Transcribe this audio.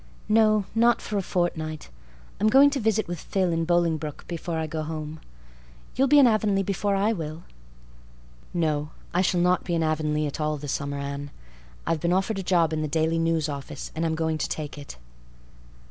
"No, not for a fortnight. I'm going to visit with Phil in Bolingbroke before I go home. You'll be in Avonlea before I will." "No, I shall not be in Avonlea at all this summer, Anne. I've been offered a job in the Daily News office and I'm going to take it."